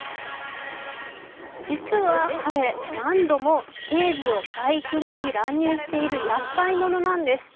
実は彼、何度も警備をかいくぐり乱入しているやっかい者なんです。